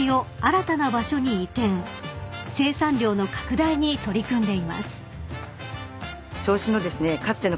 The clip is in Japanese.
［生産量の拡大に取り組んでいます］